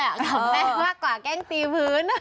ขับแม่ขับแม่มากกว่าแกล้งตีพื้น